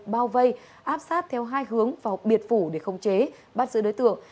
bao vây áp sát theo hai hướng vào biệt phủ để không chế bắt giữ đối tượng